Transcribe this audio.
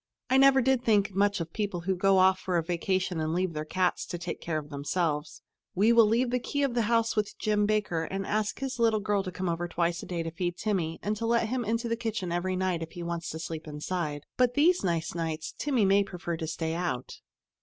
"I never did think much of people who go off for a vacation and leave their cats to take care of themselves. We will leave the key of the house with Jim Baker, and ask his little girl to come over twice a day to feed Timmy and to let him into the kitchen every night if he wants to sleep inside. But these nice nights, Timmy may prefer to stay out."